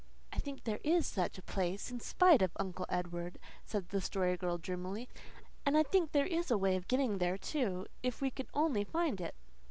"I think there IS such a place in spite of Uncle Edward," said the Story Girl dreamily, "and I think there is a way of getting there too, if we could only find it."